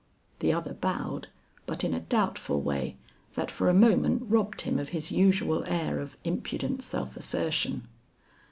The other bowed, but in a doubtful way that for a moment robbed him of his usual air of impudent self assertion.